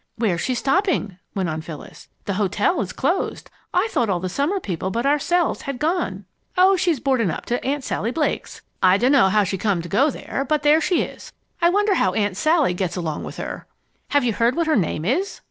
"Where's she stopping?" went on Phyllis. "The hotel is closed. I thought all the summer people but ourselves had gone." "Oh, she's boarding up to Aunt Sally Blake's. I dunno how she come to go there, but there she is. I wonder how Aunt Sally gets along with her?" "Have you heard what her name is?"